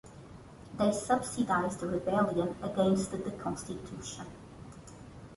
They subsidized rebellion against the constitution.